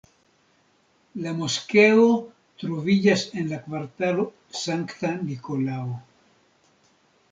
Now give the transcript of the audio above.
La moskeo troviĝas en la kvartalo Sankta Nikolao.